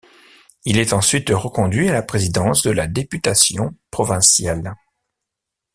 Il est ensuite reconduit à la présidence de la députation provinciale.